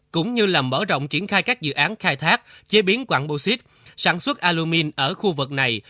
cũng như là mở rộng triển khai các dự án khai thác chế biến quạng bô xít sản xuất alumin ở khu vực này